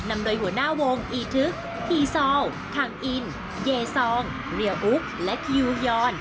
นำโดยหัวหน้าวงอีทึกอีซอลคังอินเยซองเรียอุ๊กและคิวยอน